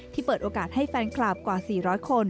เปิดโอกาสให้แฟนคลับกว่า๔๐๐คน